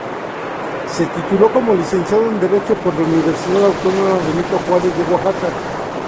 Se tituló como Licenciado en Derecho por la Universidad Autónoma Benito Juárez de Oaxaca.